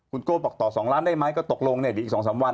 คุณโก้บอกต่อ๒ล้านได้ไหมก็ตกลงในอีก๒๓วัน